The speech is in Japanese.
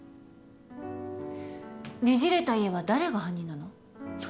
『ねじれた家』は誰が犯人なの？